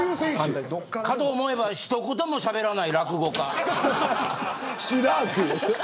かと思えば一言もしゃべらない落語家。